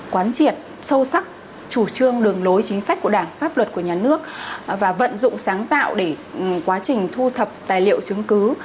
quán triệt sâu sắc chủ trương đường lối chính sách của đảng pháp luật của nhà nước và vận dụng sáng tạo để quá trình thu thập tài liệu chứng cứ